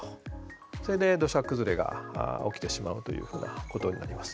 それで土砂崩れが起きてしまうというふうなことになります。